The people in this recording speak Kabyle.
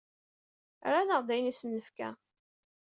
Rran-aɣ-d ayen i asen-nefka.